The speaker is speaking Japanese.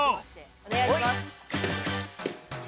お願いします。